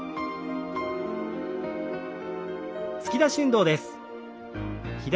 突き出し運動です。